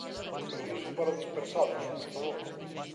Permiso para dispersalos, por favor.